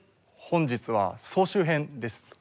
本日は総集編です。